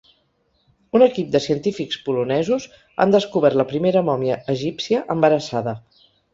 Un equip de científics polonesos han descobert la primera mòmia egípcia embarassada.